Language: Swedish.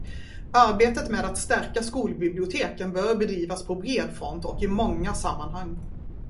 Arbetet med att stärka skolbiblioteken bör bedrivas på bred front och i många sammanhang.